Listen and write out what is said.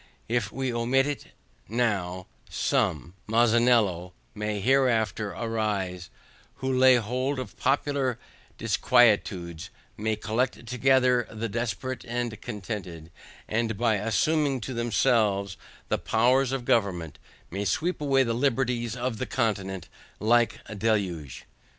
If we omit it now, some, [*1] Massanello may hereafter arise, who laying hold of popular disquietudes, may collect together the desperate and discontented, and by assuming to themselves the powers of government, may sweep away the liberties of the continent like a deluge.